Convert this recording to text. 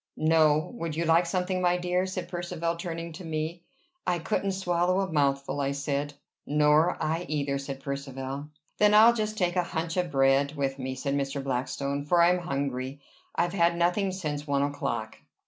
"No. Would you like something, my dear?" said Percivale turning to me. "I couldn't swallow a mouthful," I said. "Nor I either," said Percivale. "Then I'll just take a hunch of bread with me," said Mr. Blackstone, "for I am hungry. I've had nothing since one o'clock."